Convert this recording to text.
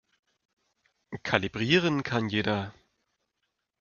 Kalibrieren kann jeder.